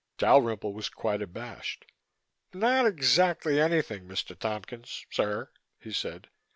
Dalrymple was quite abashed. "Not exactly anything, Mr. Tompkins, sir," he said.